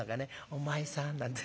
『お前さん』なんて。